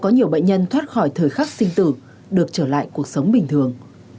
có nhiều bệnh nhân thoát khỏi thời khắc sinh tử được trở lại cuộc sống bình thường